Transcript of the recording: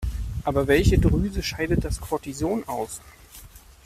Aber welche Drüse scheidet das Cortison aus?